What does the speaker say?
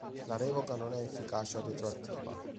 La revoca non ha efficacia retroattiva.